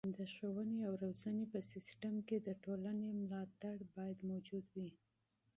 د ښوونې او روزنې په سیستم کې د ټولنې ملاتړ باید موجود وي.